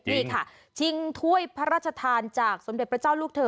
นี่ค่ะชิงถ้วยพระราชทานจากสมเด็จพระเจ้าลูกเธอ